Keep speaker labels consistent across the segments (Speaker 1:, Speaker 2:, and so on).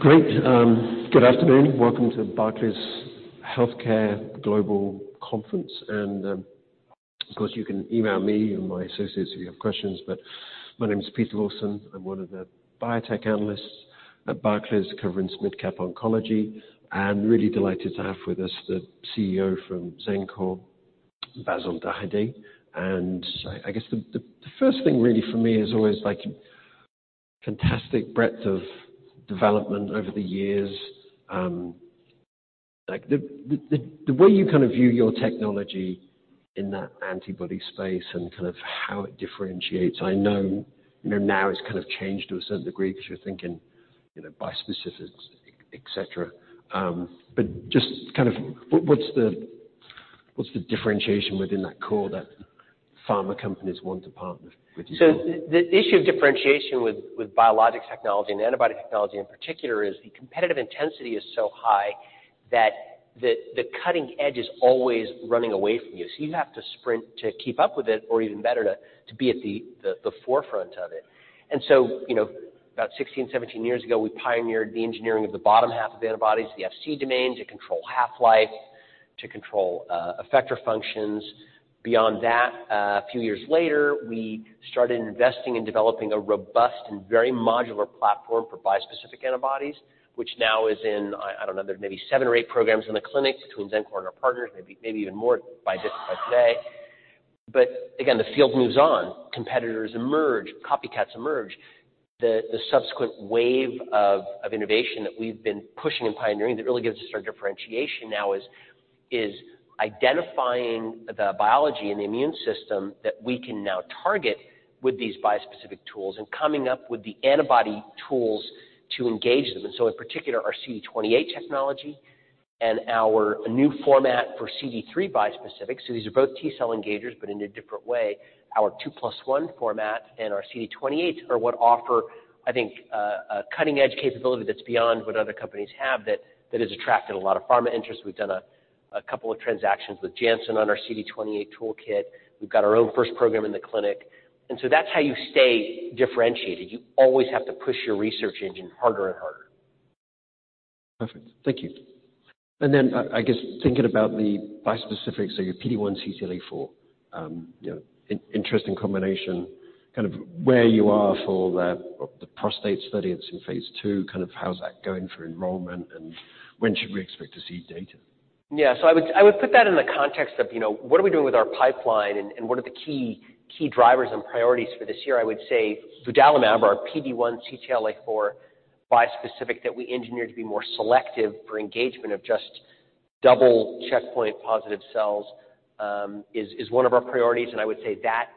Speaker 1: Great. Good afternoon. Welcome to Barclays Healthcare Global Conference. Of course, you can email me and my associates if you have questions. My name is Pete Lawson. I'm one of the biotech analysts at Barclays covering mid-cap oncology, and really delighted to have with us the CEO from Xencor, Bassil Dahiyat. I guess the first thing really for me is always like fantastic breadth of development over the years. Like the way you kind of view your technology in that antibody space and kind of how it differentiates. I know, you know, now it's kind of changed to a certain degree because you're thinking, you know, bispecifics, et cetera. Just kind of what's the differentiation within that core that pharma companies want to partner with you?
Speaker 2: The issue of differentiation with biologics technology and antibody technology in particular is the competitive intensity is so high that the cutting edge is always running away from you. You have to sprint to keep up with it or even better, to be at the forefront of it. You know, about 16, 17 years ago, we pioneered the engineering of the bottom half of antibodies, the Fc domains, to control half-life, to control effector functions. Beyond that, a few years later, we started investing in developing a robust and very modular platform for bispecific antibodies, which now is in, I don't know, there may be seven or eight programs in the clinic between Xencor and our partners, maybe even more by today. Again, the field moves on. Competitors emerge, copycats emerge. The subsequent wave of innovation that we've been pushing and pioneering that really gives us our differentiation now is identifying the biology and the immune system that we can now target with these bispecific tools and coming up with the antibody tools to engage them. In particular, our CD28 technology and our new format for CD3 bispecifics. These are both T-cell engagers, but in a different way. Our 2+1 format and our CD28s are what offer, I think, a cutting-edge capability that's beyond what other companies have that has attracted a lot of pharma interest. We've done a couple of transactions with Janssen on our CD28 toolkit. We've got our own first program in the clinic. That's how you stay differentiated. You always have to push your research engine harder and harder.
Speaker 1: Perfect. Thank you. I guess thinking about the bispecific, so your PD-1/CTLA-4, you know, interesting combination, kind of where you are for the prostate study that's in phase II, kind of how's that going for enrollment, and when should we expect to see data?
Speaker 2: I would put that in the context of, you know, what are we doing with our pipeline and what are the key drivers and priorities for this year. I would say Vudalimab, our PD-1/CTLA-4 bispecific that we engineered to be more selective for engagement of just double checkpoint positive cells, is one of our priorities. I would say that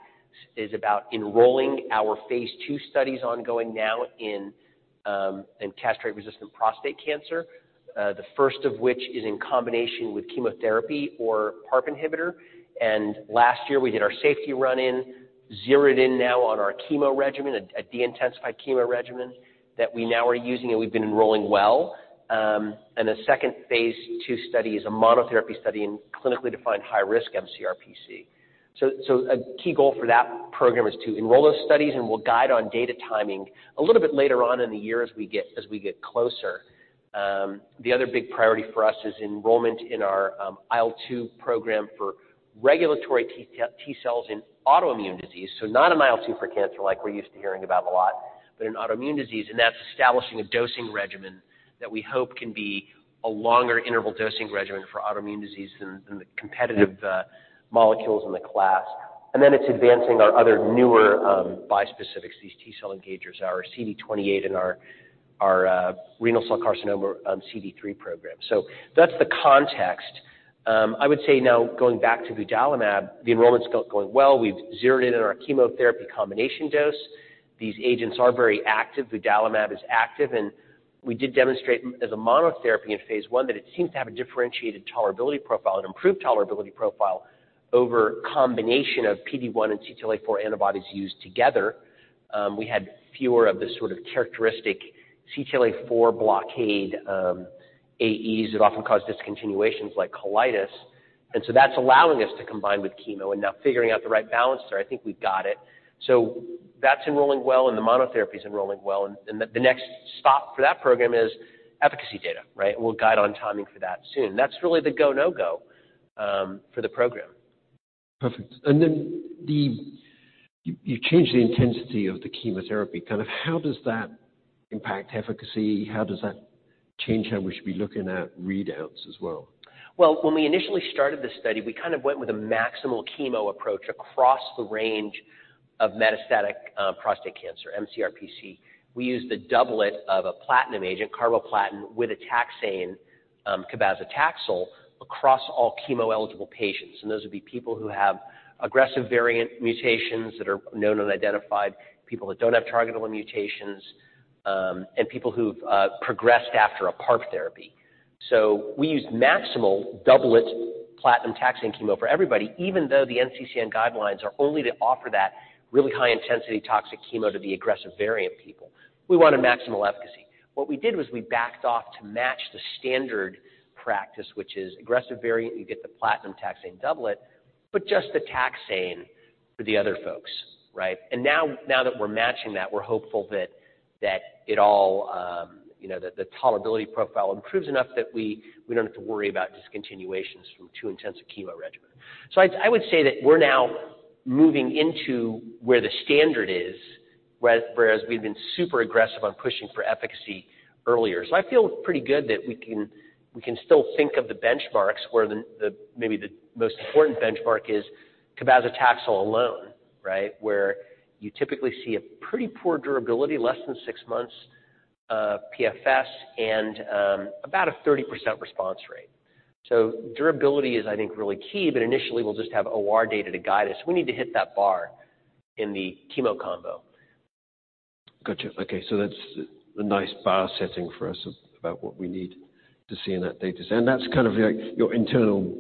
Speaker 2: is about enrolling our phase II studies ongoing now in castrate-resistant prostate cancer, the first of which is in combination with chemotherapy or PARP inhibitor. Last year, we did our safety run in, zeroed in now on our chemo regimen, a de-intensified chemo regimen that we now are using, and we've been enrolling well. A second phase II study is a monotherapy study in clinically defined high-risk mCRPC. A key goal for that program is to enroll those studies, and we'll guide on data timing a little bit later on in the year as we get closer. The other big priority for us is enrollment in our IL-2 program for regulatory T-cells in autoimmune disease. Not an IL-2 for cancer like we're used to hearing about a lot, but an autoimmune disease, and that's establishing a dosing regimen that we hope can be a longer interval dosing regimen for autoimmune disease than the competitive molecules in the class. It's advancing our other newer bispecifics, these T-cell engagers, our CD28 and our renal cell carcinoma CD3 program. That's the context. I would say now going back to Vudalimab, the enrollment's going well. We've zeroed in on our chemotherapy combination dose. These agents are very active. Vudalimab is active, and we did demonstrate as a monotherapy in phase 1 that it seems to have a differentiated tolerability profile, an improved tolerability profile over combination of PD-1 and CTLA-4 antibodies used together. We had fewer of the sort of characteristic CTLA-4 blockade, AEs that often cause discontinuations like colitis. That's allowing us to combine with chemo, and now figuring out the right balance there. I think we've got it. That's enrolling well, and the monotherapy is enrolling well. The next stop for that program is efficacy data, right? We'll guide on timing for that soon. That's really the go, no go, for the program.
Speaker 1: Perfect. You changed the intensity of the chemotherapy, kind of how does that impact efficacy? How does that change how we should be looking at readouts as well?
Speaker 2: Well, when we initially started this study, we kind of went with a maximal chemo approach across the range of metastatic prostate cancer, mCRPC. We used the doublet of a platinum agent, carboplatin, with a taxane, cabazitaxel, across all chemo-eligible patients. Those would be people who have aggressive variant mutations that are known and identified, people that don't have targetable mutations, and people who've progressed after a PARP therapy. We used maximal doublet platinum taxane chemo for everybody, even though the NCCN guidelines are only to offer that really high-intensity toxic chemo to the aggressive variant people. We wanted maximal efficacy. What we did was we backed off to match the standard practice, which is aggressive variant, you get the platinum taxane doublet, but just the taxane for the other folks, right? Now that we're matching that, we're hopeful that it all, you know, the tolerability profile improves enough that we don't have to worry about discontinuations from too intense a chemo regimen. I would say that we're now moving into where the standard is, whereas we've been super aggressive on pushing for efficacy earlier. I feel pretty good that we can still think of the benchmarks where the maybe the most important benchmark is cabazitaxel alone, right? Where you typically see a pretty poor durability, less than six months of PFS and about a 30% response rate. Durability is, I think, really key, but initially we'll just have OR data to guide us. We need to hit that bar in the chemo combo.
Speaker 1: Gotcha. Okay. That's a nice bar setting for us about what we need to see in that data set. That's kind of like your internal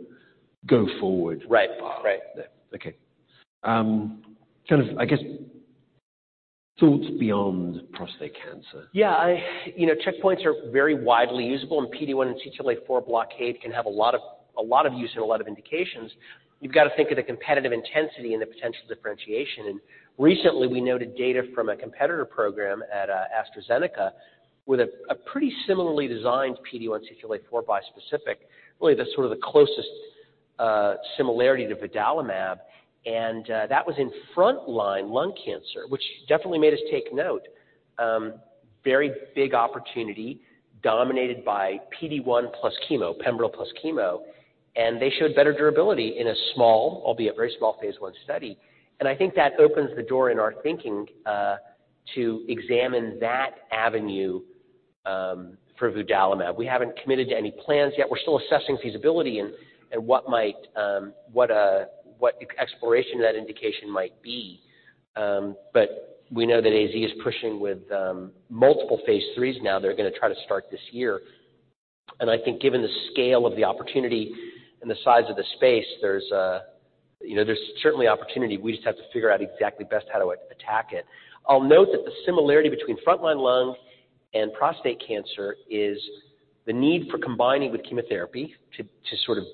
Speaker 1: go forward bar.
Speaker 2: Right. Right.
Speaker 1: Okay. Kind of, I guess, thoughts beyond prostate cancer?
Speaker 2: You know, checkpoints are very widely usable, and PD-1 and CTLA-4 blockade can have a lot of use and a lot of indications. You've got to think of the competitive intensity and the potential differentiation. Recently we noted data from a competitor program at AstraZeneca with a pretty similarly designed PD-1/CTLA-4 bispecific, really the sort of the closest similarity to Vudalimab. That was in frontline lung cancer, which definitely made us take note. Very big opportunity dominated by PD-1 plus chemo, pembro plus chemo, and they showed better durability in a small, albeit very small, phase I study. I think that opens the door in our thinking to examine that avenue for Vudalimab. We haven't committed to any plans yet. We're still assessing feasibility and what exploration of that indication might be. We know that AZ is pushing with multiple phase III now they're gonna try to start this year. I think given the scale of the opportunity and the size of the space, there's a, you know, there's certainly opportunity. We just have to figure out exactly best how to attack it. I'll note that the similarity between frontline lung and prostate cancer is the need for combining with chemotherapy to sort of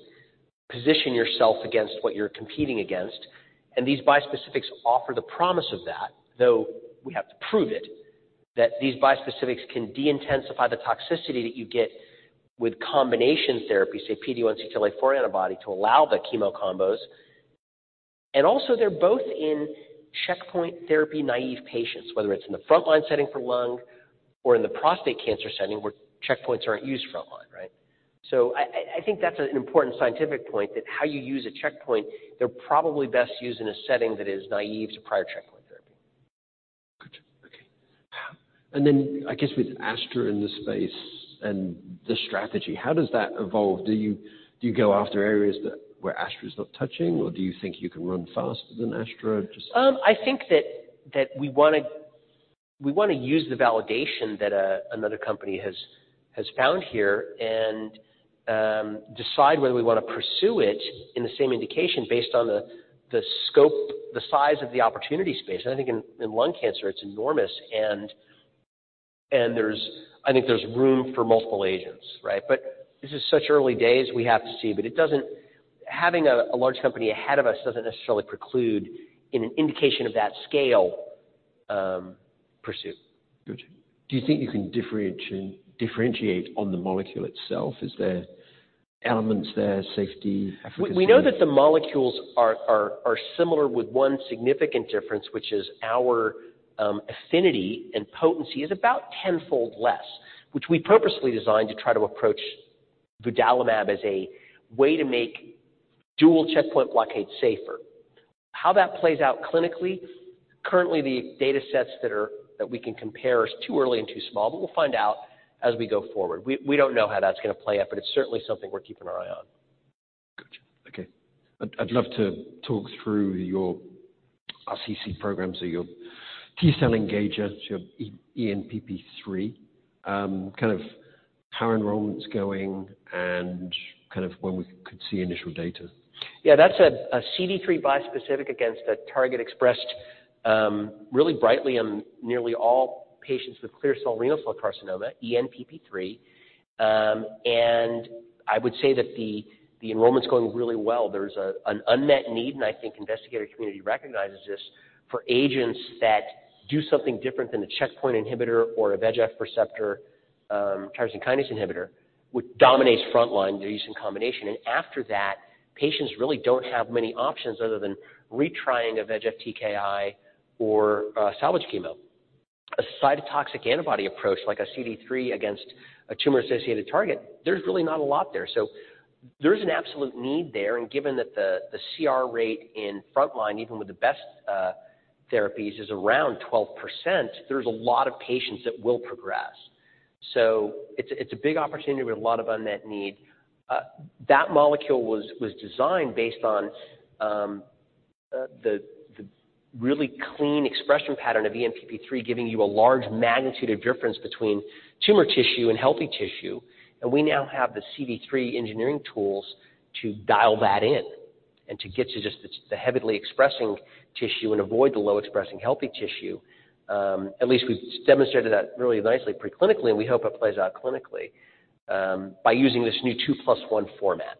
Speaker 2: position yourself against what you're competing against. These bispecifics offer the promise of that, though we have to prove it, that these bispecifics can de-intensify the toxicity that you get with combination therapy, say PD-1/CTLA-4 antibody, to allow the chemo combos. Also, they're both in checkpoint-therapy-naive patients, whether it's in the frontline setting for lung or in the prostate cancer setting where checkpoints aren't used front line, right? I think that's an important scientific point, that how you use a checkpoint, they're probably best used in a setting that is naive to prior checkpoint therapy.
Speaker 1: Gotcha. Okay. I guess with Astra in the space and the strategy, how does that evolve? Do you go after areas where Astra is not touching, or do you think you can run faster than Astra?
Speaker 2: I think that we wanna use the validation that another company has found here and decide whether we wanna pursue it in the same indication based on the scope, the size of the opportunity space. I think in lung cancer, it's enormous, and there's, I think, room for multiple agents, right? This is such early days, we have to see. Having a large company ahead of us doesn't necessarily preclude in an indication of that scale, pursuit.
Speaker 1: Gotcha. Do you think you can differentiate on the molecule itself? Is there elements there, safety, efficacy?
Speaker 2: We know that the molecules are similar with one significant difference, which is our affinity and potency is about 10-fold less, which we purposely designed to try to approach Vudalimab as a way to make dual checkpoint blockade safer. How that plays out clinically, currently the data sets that we can compare is too early and too small. We'll find out as we go forward. We don't know how that's gonna play out. It's certainly something we're keeping our eye on.
Speaker 1: Gotcha. Okay. I'd love to talk through your RCC program, so your T-cell engager, your ENPP3, kind of how enrollment's going and kind of when we could see initial data.
Speaker 2: Yeah. That's a CD3 bispecific against a target expressed, really brightly on nearly all patients with clear cell renal cell carcinoma, ENPP3. I would say that the enrollment's going really well. There's an unmet need, and I think investigator community recognizes this, for agents that do something different than the checkpoint inhibitor or a VEGF receptor, tyrosine kinase inhibitor, which dominates front line, they're used in combination. After that, patients really don't have many options other than retrying a VEGF TKI or salvage chemo. A cytotoxic antibody approach like a CD3 against a tumor-associated target, there's really not a lot there. There's an absolute need there, and given that the CR rate in front line, even with the best therapies, is around 12%, there's a lot of patients that will progress. It's a big opportunity with a lot of unmet need. That molecule was designed based on the really clean expression pattern of ENPP3, giving you a large magnitude of difference between tumor tissue and healthy tissue. We now have the CD3 engineering tools to dial that in and to get to just the heavily expressing tissue and avoid the low expressing healthy tissue. At least we've demonstrated that really nicely pre-clinically, and we hope it plays out clinically. By using this new 2+1 format,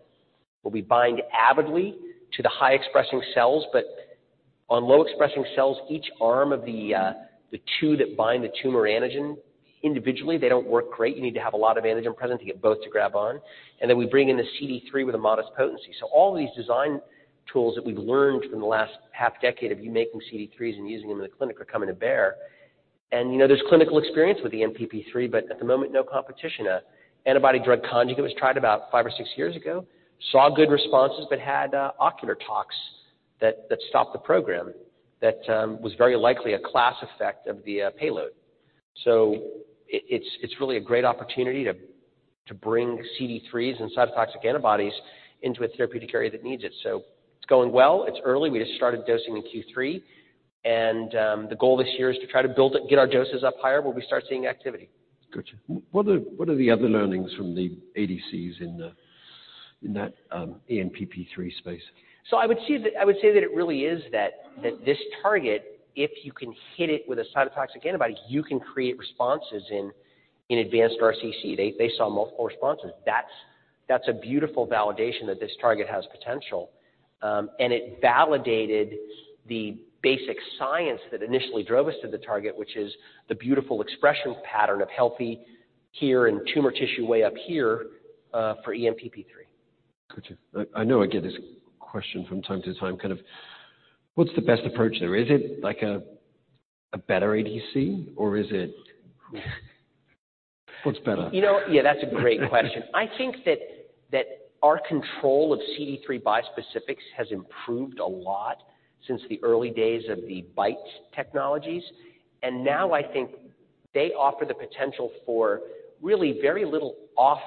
Speaker 2: where we bind avidly to the high expressing cells, but on low expressing cells, each arm of the two that bind the tumor antigen individually, they don't work great. You need to have a lot of antigen present to get both to grab on. We bring in the CD3 with a modest potency. All of these design tools that we've learned from the last half decade of you making CD3s and using them in the clinic are coming to bear. You know, there's clinical experience with the ENPP3, but at the moment, no competition. Antibody drug conjugate was tried about five or six years ago, saw good responses, but had ocular toxicity that stopped the program that was very likely a class effect of the payload. It's really a great opportunity to bring CD3s and cytotoxic antibodies into a therapeutic area that needs it. It's going well. It's early. We just started dosing in Q3, and the goal this year is to try to build it, get our doses up higher where we start seeing activity.
Speaker 1: Gotcha. What are the other learnings from the ADCs in the, in that ENPP3 space?
Speaker 2: I would say that it really is that this target, if you can hit it with a cytotoxic antibody, you can create responses in advanced RCC. They saw multiple responses. That's a beautiful validation that this target has potential. And it validated the basic science that initially drove us to the target, which is the beautiful expression pattern of healthy here and tumor tissue way up here, for ENPP3.
Speaker 1: Gotcha. I know I get this question from time to time, kind of what's the best approach there? Is it like a better ADC or is it... What's better?
Speaker 2: You know, yeah, that's a great question. I think that our control of CD3 bispecifics has improved a lot since the early days of the BiTE technology. Now I think they offer the potential for really very little off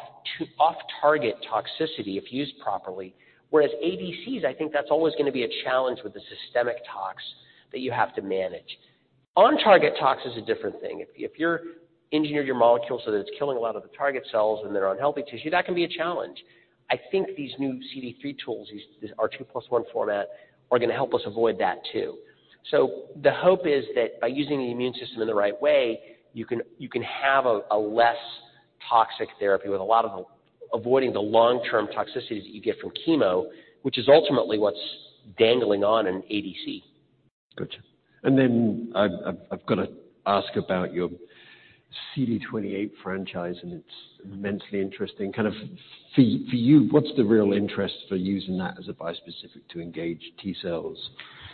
Speaker 2: target toxicity if used properly. Whereas ADCs, I think that's always gonna be a challenge with the systemic tox that you have to manage. On-target tox is a different thing. If you're engineered your molecule so that it's killing a lot of the target cells and they're on healthy tissue, that can be a challenge. I think these new CD3 tools, this 2+1 format are gonna help us avoid that too. The hope is that by using the immune system in the right way, you can have a less toxic therapy with a lot of avoiding the long-term toxicities that you get from chemo, which is ultimately what's dangling on an ADC.
Speaker 1: Gotcha. I've gotta ask about your CD28 franchise, and it's immensely interesting. Kind of for you, what's the real interest for using that as a bispecific to engage T-cells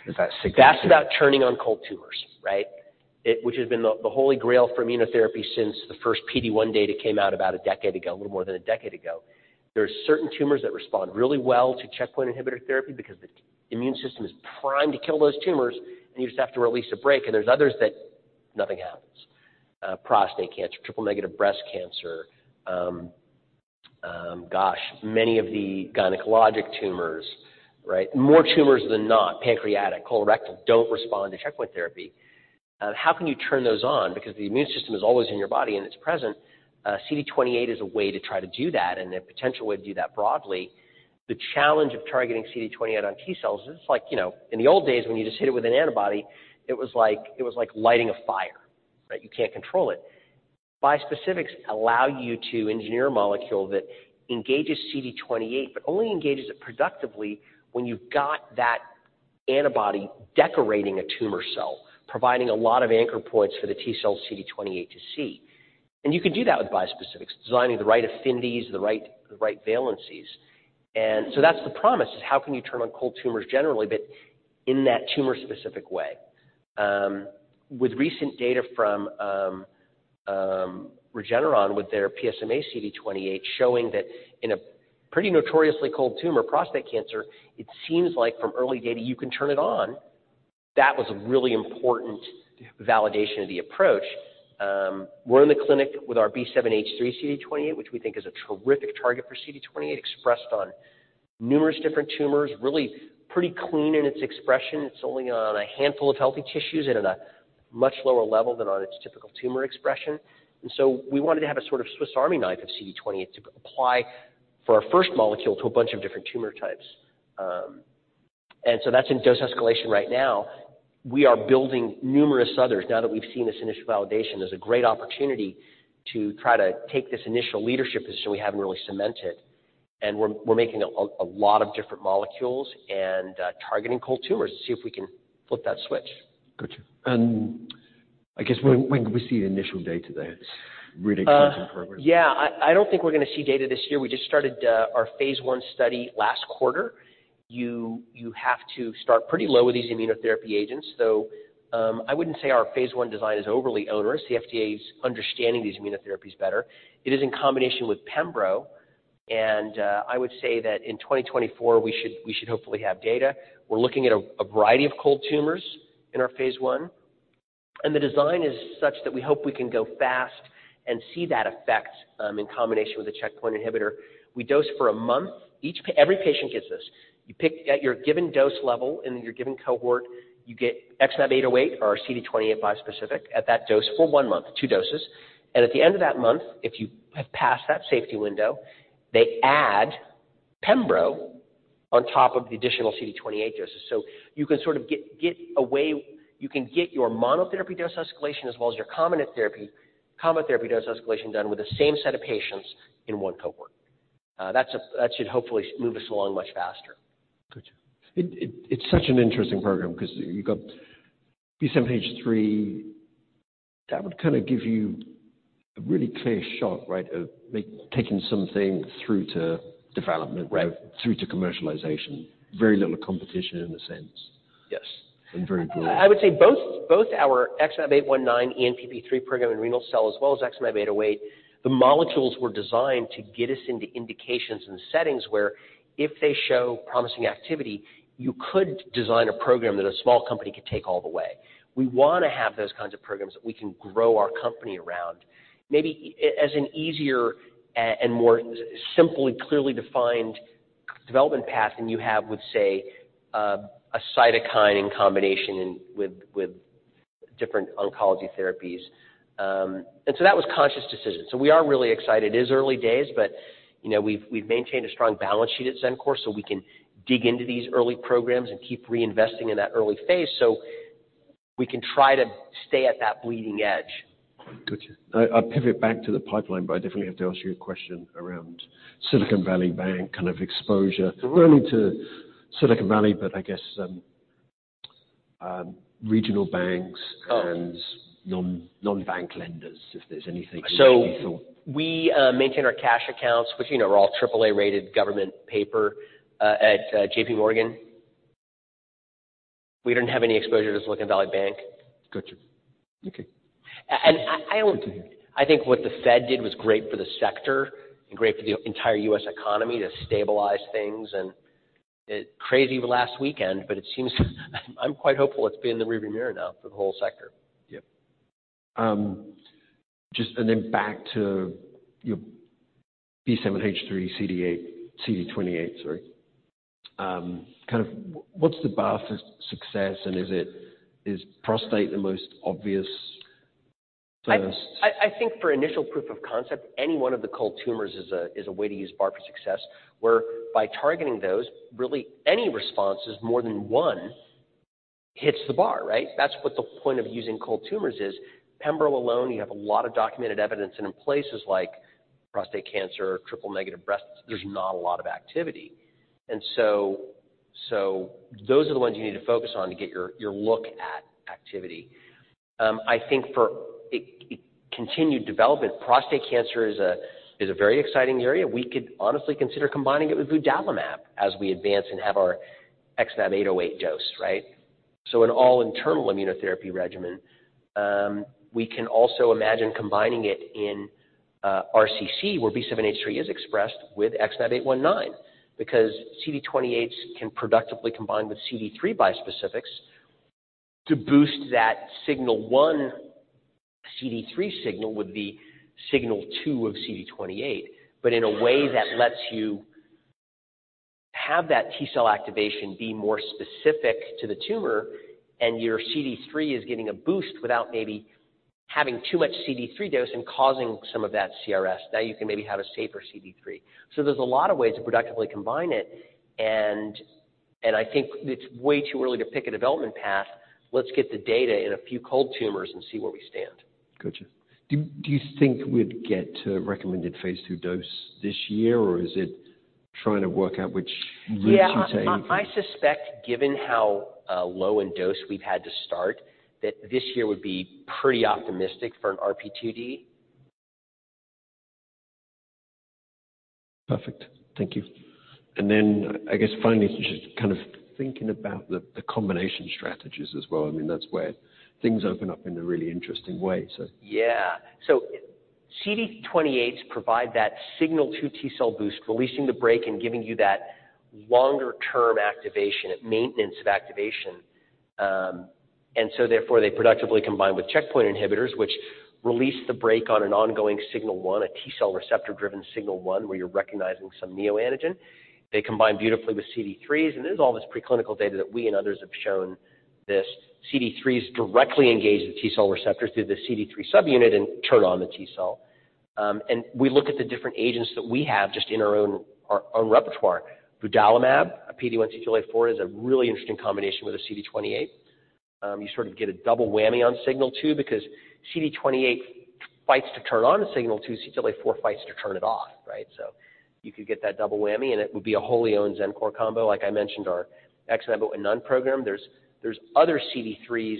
Speaker 1: if that signals-?
Speaker 2: That's about turning on cold tumors, right? Which has been the holy grail for immunotherapy since the first PD-1 data came out about a decade ago, a little more than a decade ago. There's certain tumors that respond really well to checkpoint inhibitor therapy because the immune system is primed to kill those tumors, and you just have to release a break, and there's others that nothing happens. Prostate cancer, triple-negative breast cancer, gosh, many of the gynecologic tumors, right? More tumors than not, pancreatic, colorectal, don't respond to checkpoint therapy. How can you turn those on? Because the immune system is always in your body and it's present. CD28 is a way to try to do that, and a potential way to do that broadly. The challenge of targeting CD28 on T-cells is like, you know, in the old days when you just hit it with an antibody, it was like lighting a fire, right? You can't control it. Bispecifics allow you to engineer a molecule that engages CD28 but only engages it productively when you've got that antibody decorating a tumor cell, providing a lot of anchor points for the T-cell CD28 to see. You can do that with bispecifics, designing the right affinities, the right valencies. That's the promise, is how can you turn on cold tumors generally, but in that tumor-specific way. With recent data from Regeneron with their PSMA CD28 showing that in a pretty notoriously cold tumor, prostate cancer, it seems like from early data you can turn it on. That was a really important validation of the approach. We're in the clinic with our B7-H3 CD28, which we think is a terrific target for CD28, expressed on numerous different tumors, really pretty clean in its expression. It's only on a handful of healthy tissues and at a much lower level than on its typical tumor expression. We wanted to have a sort of Swiss Army knife of CD28 to apply for our first molecule to a bunch of different tumor types. That's in dose escalation right now. We are building numerous others now that we've seen this initial validation. There's a great opportunity to try to take this initial leadership position we haven't really cemented, and we're making a lot of different molecules and targeting cold tumors to see if we can flip that switch.
Speaker 1: Gotcha. I guess when can we see the initial data there? Really exciting program.
Speaker 2: Yeah. I don't think we're gonna see data this year. We just started our phase I study last quarter. You have to start pretty low with these immunotherapy agents, so I wouldn't say our phase I design is overly onerous. The FDA's understanding these immunotherapies better. It is in combination with Pembro. I would say that in 2024 we should hopefully have data. We're looking at a variety of cold tumors in our phase I, and the design is such that we hope we can go fast and see that effect in combination with a checkpoint inhibitor. We dose for one month. Every patient gets this. At your given dose level in your given cohort, you get XmAb808 or our CD28 bispecific at that dose for one month, two doses. At the end of that month, if you have passed that safety window, they add Pembro on top of the additional CD28 doses. You can sort of get your monotherapy dose escalation as well as your combo therapy dose escalation done with the same set of patients in one cohort. That should hopefully move us along much faster.
Speaker 1: Gotcha. It's such an interesting program 'cause you got B7-H3. That would kinda give you a really clear shot, right? Of like taking something through to development.
Speaker 2: Right.
Speaker 1: -through to commercialization. Very little competition in a sense.
Speaker 2: Yes.
Speaker 1: Very broad.
Speaker 2: I would say both our XmAb819 ENPP3 program in renal cell as well as XmAb808, the molecules were designed to get us into indications and settings where if they show promising activity, you could design a program that a small company could take all the way. We wanna have those kinds of programs that we can grow our company around. Maybe as an easier and more simply, clearly defined development path than you have with, say, a cytokine in combination in, with different oncology therapies. That was conscious decision. We are really excited. It is early days, but, you know, we've maintained a strong balance sheet at Xencor so we can dig into these early programs and keep reinvesting in that early phase, so we can try to stay at that bleeding edge.
Speaker 1: Gotcha. I'll pivot back to the pipeline, but I definitely have to ask you a question around Silicon Valley Bank kind of exposure.
Speaker 2: Mm-hmm.
Speaker 1: Not only to Silicon Valley, but I guess, regional banks.
Speaker 2: Oh.
Speaker 1: non-bank lenders, if there's anything you had already thought.
Speaker 2: We maintain our cash accounts, which, you know, are all triple A-rated government paper, at JPMorgan. We didn't have any exposure to Silicon Valley Bank.
Speaker 1: Gotcha. Okay.
Speaker 2: And I, I-
Speaker 1: Continue.
Speaker 2: I think what the Fed did was great for the sector and great for the entire U.S. economy to stabilize things. Crazy last weekend, I'm quite hopeful it's been in the rear view mirror now for the whole sector.
Speaker 1: Yeah. Just back to your B7-H3 CD8, CD28, sorry. Kind of what's the bar for success, and is prostate the most obvious first?
Speaker 2: I think for initial proof of concept, any one of the cold tumors is a way to use bar for success, where by targeting those, really any response is more than one hits the bar, right? That's what the point of using cold tumors is. Pembro alone, you have a lot of documented evidence, and in places like prostate cancer, triple-negative breast, there's not a lot of activity. Those are the ones you need to focus on to get your look at activity. I think for a continued development, prostate cancer is a very exciting area. We could honestly consider combining it with Vudalimab as we advance and have our XmAb808 dose, right? An all internal immunotherapy regimen. We can also imagine combining it in RCC, where B7-H3 is expressed with XmAb819, because CD28s can productively combine with CD3 bispecifics to boost that Signal One CD3 signal with the Signal Two of CD28, but in a way that lets you have that T-cell activation be more specific to the tumor, and your CD3 is getting a boost without maybe having too much CD3 dose and causing some of that CRS. You can maybe have a safer CD3. There's a lot of ways to productively combine it, and I think it's way too early to pick a development path. Let's get the data in a few cold tumors and see where we stand.
Speaker 1: Gotcha. Do you think we'd get to recommended phase 2 dose this year, or is it trying to work out which route to take?
Speaker 2: Yeah. I suspect, given how low in dose we've had to start, that this year would be pretty optimistic for an RP2D.
Speaker 1: Perfect. Thank you. I guess finally, just kind of thinking about the combination strategies as well. I mean, that's where things open up in a really interesting way.
Speaker 2: CD28s provide that Signal Two T-cell boost, releasing the brake and giving you that longer term activation, maintenance of activation. Therefore, they productively combine with checkpoint inhibitors, which release the brake on an ongoing Signal One, a T-cell receptor-driven Signal One, where you're recognizing some neoantigen. They combine beautifully with CD3s, and there's all this preclinical data that we and others have shown this. CD3 is directly engaged with T-cell receptors through the CD3 subunit and turn on the T-cell. We look at the different agents that we have just in our own, our own repertoire. Vudalimab, a PD-1/CTLA-4 is a really interesting combination with a CD28. You sort of get a double whammy on Signal Two because CD28 fights to turn on a Signal Two, CTLA-4 fights to turn it off, right? You could get that double whammy, and it would be a wholly owned Xencor combo. Like I mentioned, our XmAb819 program. There's other CD3s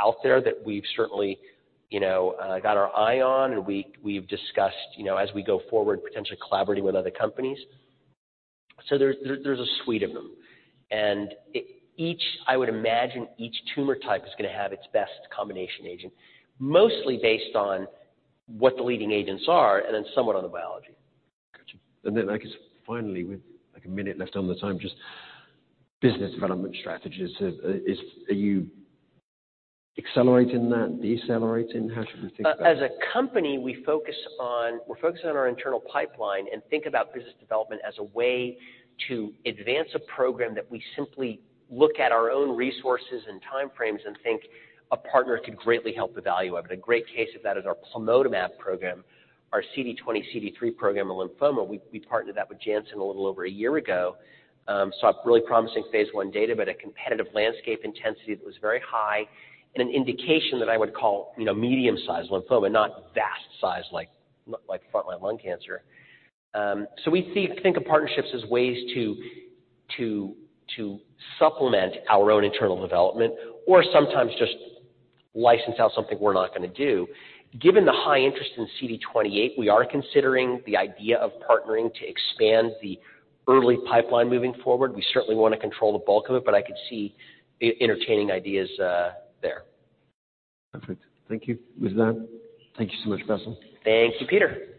Speaker 2: out there that we've certainly, you know, got our eye on and we've discussed, you know, as we go forward, potentially collaborating with other companies. There's a suite of them. Each, I would imagine each tumor type is gonna have its best combination agent, mostly based on what the leading agents are and then somewhat on the biology.
Speaker 1: Gotcha. I guess finally, with like a minute left on the time, just business development strategies. Are you accelerating that, decelerating? How should we think about it?
Speaker 2: As a company, we're focused on our internal pipeline and think about business development as a way to advance a program that we simply look at our own resources and time frames and think a partner could greatly help the value of it. A great case of that is our Plamotamab program, our CD20/CD3 program in lymphoma. We partnered that with Janssen a little over a year ago. Saw really promising phase I data, a competitive landscape intensity that was very high and an indication that I would call, you know, medium-sized lymphoma, not vast size like frontline lung cancer. We think of partnerships as ways to supplement our own internal development or sometimes just license out something we're not gonna do. Given the high interest in CD28, we are considering the idea of partnering to expand the early pipeline moving forward. We certainly wanna control the bulk of it, but I could see entertaining ideas there.
Speaker 1: Perfect. Thank you. With that, thank you so much, Bassil.
Speaker 2: Thank you, Peter.
Speaker 1: Pleasure.